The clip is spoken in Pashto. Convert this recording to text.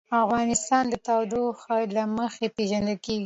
افغانستان د تودوخه له مخې پېژندل کېږي.